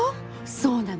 そうなの。